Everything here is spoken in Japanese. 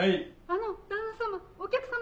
・あの旦那様